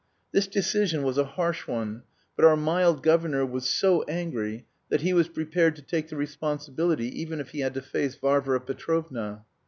This decision was a harsh one, but our mild governor was so angry that he was prepared to take the responsibility even if he had to face Varvara Petrovna.